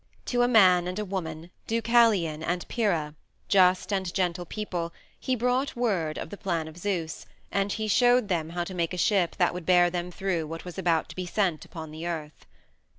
To a man and a woman, Deucalion and Pyrrha, just and gentle people, he brought word of the plan of Zeus, and he showed them how to make a ship that would bear them through what was about to be sent upon the earth.